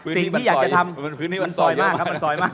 พื้นที่มันซอยมันซอยมากครับ